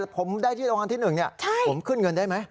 ผมได้ที่รางวัลที่๑ผมขึ้นเงินได้ไหม